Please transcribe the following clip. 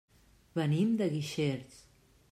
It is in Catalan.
Venim de Guixers.